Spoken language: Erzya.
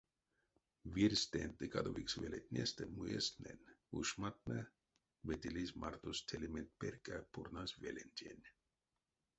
Вирьстэнть ды кадовикс велетнестэ муезтнень ушмантнэ ветилизь мартост телименть перька пурназь велентень.